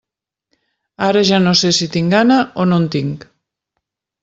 Ara ja no sé si tinc gana o no en tinc.